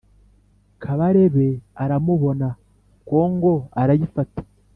Kabarebe aramubona kongo arayifata